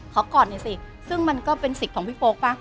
กอดหน่อยสิซึ่งมันก็เป็นสิทธิ์ของพี่โป๊กป่ะ